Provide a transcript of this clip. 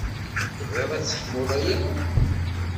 Tebɣiḍ ad sseḥmuɣ aya?